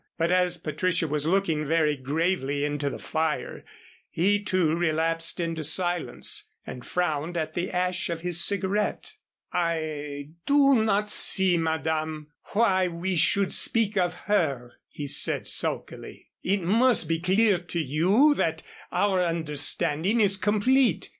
But as Patricia was looking very gravely into the fire, he too relapsed into silence, and frowned at the ash of his cigarette. "I do not see, Madame, why we should speak of her," he said, sulkily. "It must be clear to you that our understanding is complete.